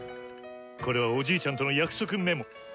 これはおじいちゃんとの約束メモ。